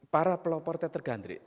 para pelopor teater gandrik